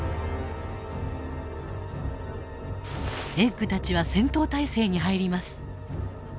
エッグたちは戦闘態勢に入ります。